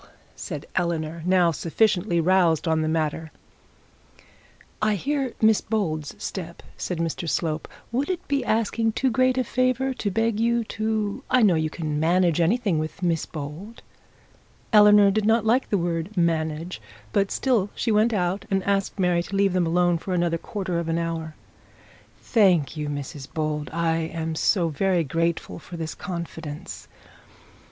said Eleanor, now sufficiently roused on the matter. 'I fear Miss Bold's step,' said Mr Slope, 'would it be asking too great a favour to beg you to I know you can manage anything with Miss Bold.' Eleanor did not like the word manage, but still she went out, and asked Mary to leave them alone for another quarter of an hour. 'Thank you, Mrs Bold, I am so very grateful for this confidence.